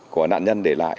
của nạn nhân để lại